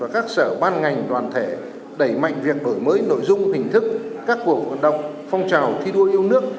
các sở ban ngành đoàn thể đẩy mạnh việc đổi mới nội dung hình thức các cuộc vận động phong trào thi đua yêu nước